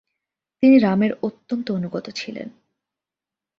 তিনি রামের অত্যন্ত অনুগত ছিলেন।